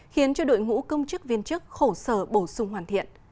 khiến cho đội ngũ công chức viên chức khổ sở bổ sung hoàn thiện